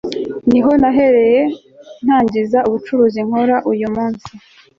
niho nahereye ntangiza ubucuruzi nkora uyu munsi